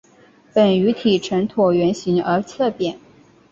本鱼体呈椭圆形而侧扁。